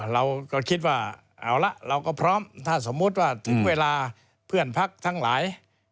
เราก็คิดว่าเอาละเราก็พร้อมถ้าสมมุติว่าถึงเวลาเพื่อนพักทั้งหลาย